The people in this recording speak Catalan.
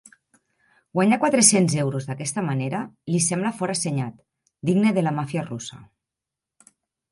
Guanyar quatre-cents euros d'aquesta manera li sembla forassenyat, digne de la màfia russa.